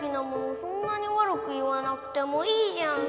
そんなにわるくいわなくてもいいじゃん。